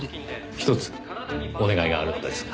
ひとつお願いがあるのですが。